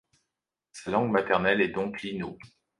Sa langue maternelle est donc l'Innu.